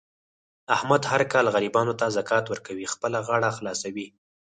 احمد هر کال غریبانو ته زکات ورکوي. خپله غاړه خلاصوي.